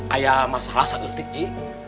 ada masalah satu titik ji